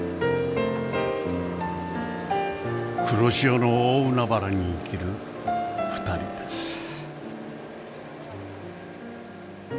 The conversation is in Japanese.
黒潮の大海原に生きる２人です。